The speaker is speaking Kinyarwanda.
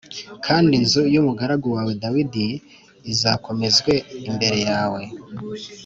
kandi inzu y’umugaragu wawe Dawidi izakomezwe imbere yawe.